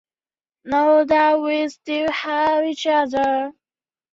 拉芒辛讷人口变化图示